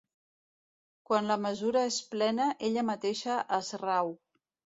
Quan la mesura és plena, ella mateixa es rau.